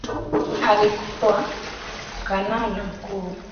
Sasa Amin alikuwa kanali na Mkuu waJeshi